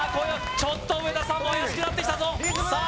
ちょっと上田さんも怪しくなってきたぞさあ